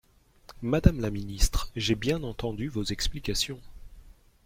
Madame la ministre, j’ai bien entendu vos explications.